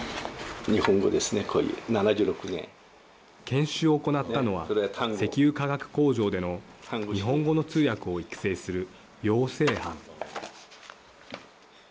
研修を行ったのは石油化学工場での日本語の通訳を育成する養成班。